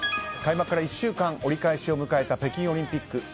開幕から１週間折り返しを迎えた北京オリンピック。